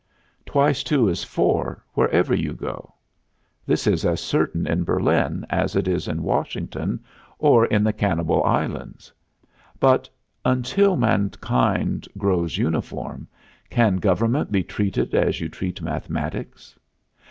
Twice two is four, wherever you go; this is as certain in Berlin as it is at Washington or in the cannibal islands. But, until mankind grows uniform, can government be treated as you treat mathematics?